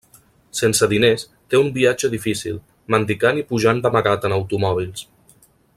Sense diners, té un viatge difícil, mendicant i pujant d'amagat en automòbils.